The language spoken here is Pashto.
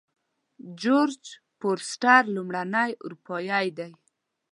جورج فورسټر لومړنی اروپایی دی.